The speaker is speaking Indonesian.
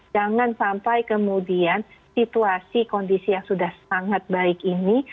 jangan sampai kemudian situasi kondisi yang sudah sangat baik ini